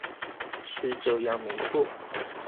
是這樣沒錯